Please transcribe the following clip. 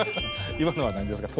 今のは何ですか？